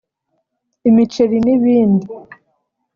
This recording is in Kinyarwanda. imiceri n’ibindi